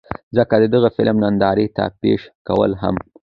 ځکه د دغه فلم نندارې ته پېش کول هم